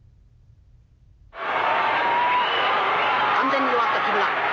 完全に弱った木村。